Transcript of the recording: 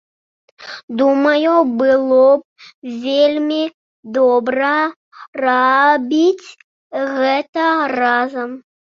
Думаю, было б вельмі добра рабіць гэта разам.